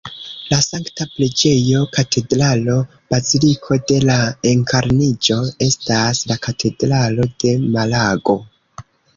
La Sankta Preĝejo Katedralo Baziliko de la Enkarniĝo estas la katedralo de Malago.